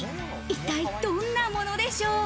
一体どんなものでしょう？